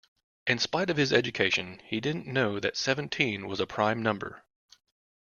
In spite of his education, he didn't know that seventeen was a prime number